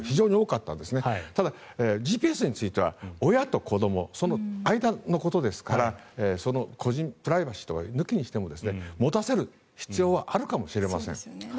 ただＧＰＳについては親と子どもその間のことですからプライバシーとかを抜きにしても持たせる必要はあるかもしれません。